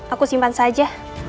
aku simpan saja